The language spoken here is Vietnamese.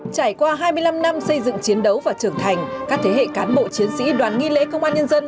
trải qua hai mươi năm năm xây dựng chiến đấu và trưởng thành các thế hệ cán bộ chiến sĩ đoàn nghi lễ công an nhân dân